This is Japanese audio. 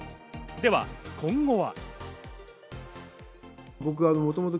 では今後は？